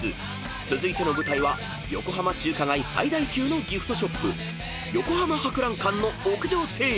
続いての舞台は横浜中華街最大級のギフトショップ横浜博覧館の屋上庭園］